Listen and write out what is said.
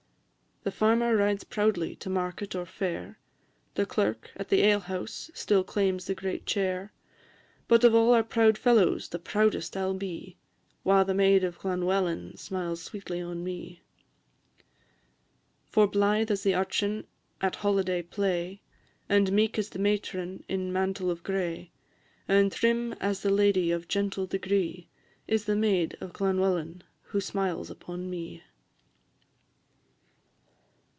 The farmer rides proudly to market or fair, The clerk, at the alehouse, still claims the great chair; But of all our proud fellows the proudest I 'll be, While the maid of Llanwellyn smiles sweetly on me. For blythe as the urchin at holiday play, And meek as the matron in mantle of gray, And trim as the lady of gentle degree, Is the maid of Llanwellyn who smiles upon me.